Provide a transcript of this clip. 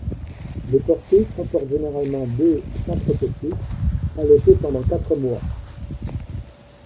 Les portées comportent généralement deux à quatre petits, allaités pendant quatre mois.